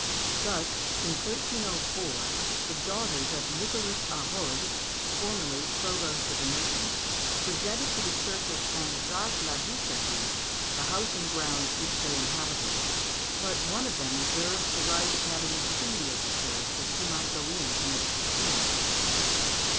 Thus, in 1304, the daughters of Nicholas Arrode, formerly provost of the merchants, presented to the church of St. Jacques la Boucherie the house and grounds which they inhabited, but one of them reserved the right of having a key of the church that she might go in whenever she pleased.